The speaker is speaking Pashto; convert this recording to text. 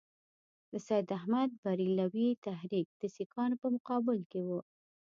د سید احمدبرېلوي تحریک د سیکهانو په مقابل کې وو.